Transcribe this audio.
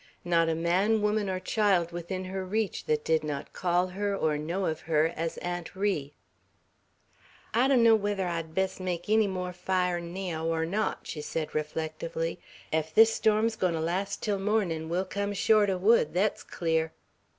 Not a man, woman, or child, within her reach, that did not call her or know of her as "Aunt Ri." "I donno whether I'd best make enny more fire naow or not," she said reflectively; "ef this storm's goin' to last till mornin', we'll come short o' wood, thet's clear."